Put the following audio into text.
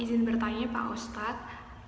izin bertanya pak ustadz